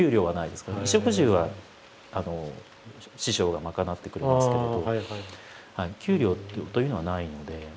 衣食住は師匠が賄ってくれますけれど給料というのはないので。